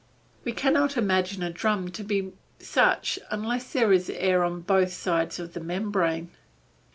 We cannot imagine a drum to be such unless there is air on both sides of the membrane.